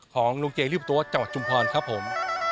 ของลุงเจรีบตัวจังหวัดชุมพรครับผม